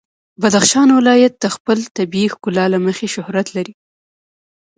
بدخشان ولایت د خپل طبیعي ښکلا له مخې شهرت لري.